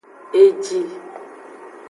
Eji.